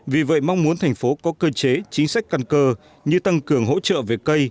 vì vậy mong muốn thành phố có cơ chế chính sách căn cơ như tăng cường hỗ trợ về cây